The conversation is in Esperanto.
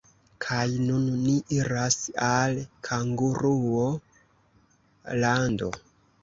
Kaj nun ni iras al Kanguruo-lando.